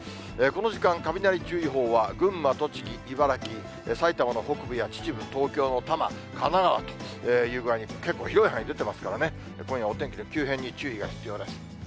この時間、雷注意報は群馬、栃木、茨城、埼玉の北部や秩父、東京の多摩、神奈川という具合に、結構広い範囲、出てますからね、今夜、お天気の急変に注意が必要です。